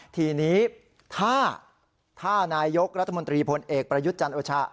ทีนี้ถ้านายกรัฐมนตรีพลเอกประยุทธ์จันทร์โอชา